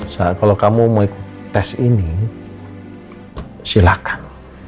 nah kalau kamu mau tes ini silakan